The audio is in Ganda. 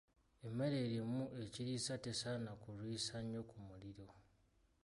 Emmere erimu ekiriisa tesaana kulwisa nnyo ku muliro.